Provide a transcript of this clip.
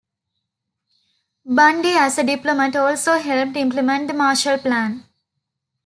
Bundy as a diplomat also helped implement the Marshall Plan.